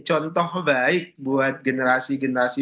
contoh baik buat generasi generasi